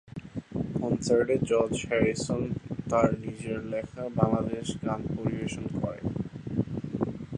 কনসার্টে George Harrison তার নিজের লেখা বাংলাদেশ গান পরিবেশন করেন।